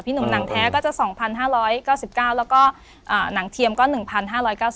หนุ่มหนังแท้ก็จะ๒๕๙๙แล้วก็หนังเทียมก็๑๕๙๐